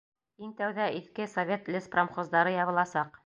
Иң тәүҙә иҫке совет леспромхоздары ябыласаҡ.